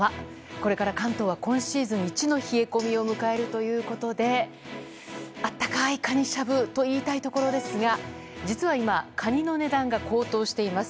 これから関東は今シーズン一の冷え込みを迎えるということで温かいカニしゃぶと言いたいところですが実は今、カニの値段が高騰しています。